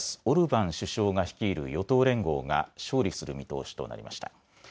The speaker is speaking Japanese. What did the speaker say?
オルバン首相が率いる与党連合が勝利する見通しとなりました。